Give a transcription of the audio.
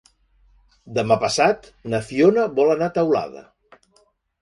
Demà passat na Fiona vol anar a Teulada.